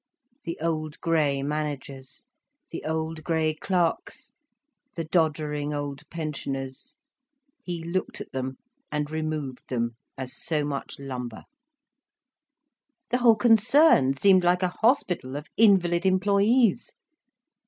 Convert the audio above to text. The old grey managers, the old grey clerks, the doddering old pensioners, he looked at them, and removed them as so much lumber. The whole concern seemed like a hospital of invalid employees.